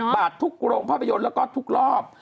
บาททุกโรงภาพยนตร์แล้วก็ทุกรอบ